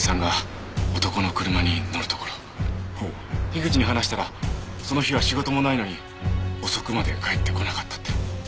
口に話したらその日は仕事もないのに遅くまで帰ってこなかったって。